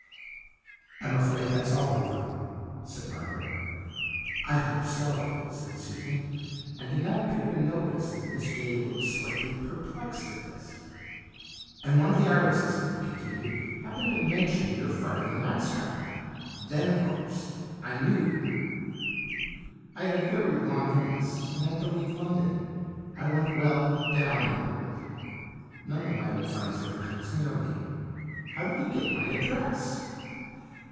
" I'm afraid that's all over," said Margaret. " I hope so," said Seaton, and did not appear to notice that Miss Gaye looked slightly perplexed at this, "And one of the artists," he continued, THE LAST CHANCE 131 "happened to mention your farthing mascot. Then, of course, I knew." " I had a very long illness and had to leave London. I went well, down in the world. None of my old friends ever comes near me. How did you get my address